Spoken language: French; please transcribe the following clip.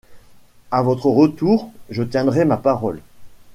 À votre retour, je tiendrai ma parole.